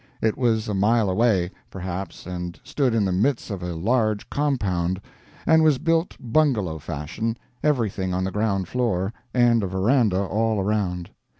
It was a mile away, perhaps, and stood in the midst of a large compound, and was built bungalow fashion, everything on the ground floor, and a veranda all around.